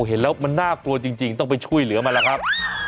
เห็นแล้วมันน่ากลัวจริงต้องไปช่วยเหลือมันแหละครับ